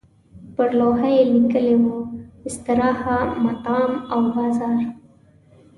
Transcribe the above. پر لوحه یې لیکلي وو استراحه، مطعم او بازار.